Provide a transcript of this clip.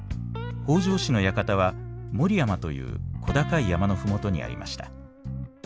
北条氏の館は守山という小高い山の麓にありました。